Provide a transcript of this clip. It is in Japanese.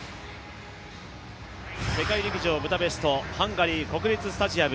世界陸上ブダペスト、ハンガリー国立スタジアム。